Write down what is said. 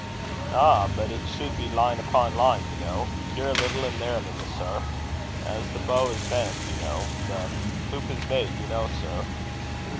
"Ah! but it should be line upon line, you know; here a little, and there a little, sir. As the bow is bent, you know the hoop is made, you know, sir."